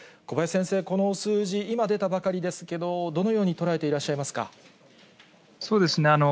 小林先生、この数字、今出たばかりですけれども、どのように捉えていらっしゃいまそうですね。